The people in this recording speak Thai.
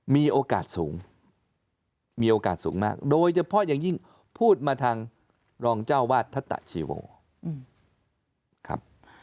มีโอกาสสูงมีโอกาสสูงมากโดยเฉพาะอย่างยิ่งพูดมาทางรองเจ้าวาดทัศตะชีโวครับ